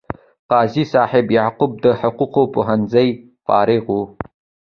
قاضي صاحب یعقوب د حقوقو پوهنځي فارغ و.